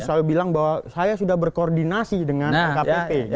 selalu bilang bahwa saya sudah berkoordinasi dengan lkpp